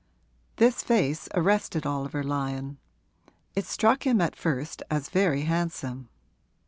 This face arrested Oliver Lyon: it struck him at first as very handsome.